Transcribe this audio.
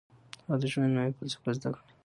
هغه د ژوند نوې فلسفه زده کړه.